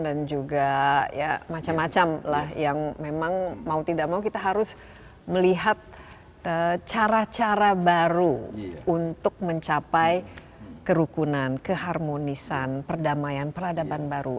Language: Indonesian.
dan juga ya macam macam lah yang memang mau tidak mau kita harus melihat cara cara baru untuk mencapai kerukunan keharmonisan perdamaian peradaban baru